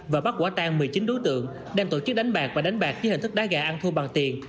và bắt quả tan một mươi chín đối tượng đang tổ chức đánh bạc và đánh bạc dưới hình thức đá gà ăn thua bằng tiền